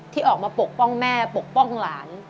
ที่ออกมาปกป้องแม่ปกป้องหลาน